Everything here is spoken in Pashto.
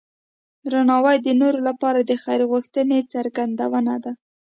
درناوی د نورو لپاره د خیر غوښتنې څرګندونه ده.